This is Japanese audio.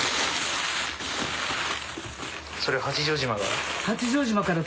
それ八丈島から？